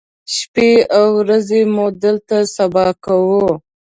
شپې او ورځې مو دلته سبا کوو.